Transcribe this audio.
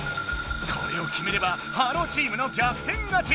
これを決めればハローチームの逆転勝ち。